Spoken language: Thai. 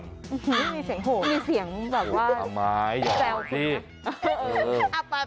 มีเสียงโหมีเสียงแบบว่าอย่าเอาเสีย